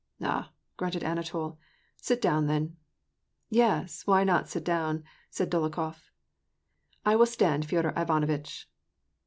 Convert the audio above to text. " Ah !" grunted Anatol. " Sit down, then." " Yes, why not sit down ?" said Dolokhof ." I will stand, Feodor Ivanovitch."